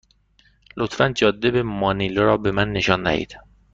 لطفا جاده به مانیلا را به من نشان دهید.